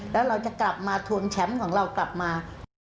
แล้วเราจะกลับมาทวงแชมป์ของเรากลับมา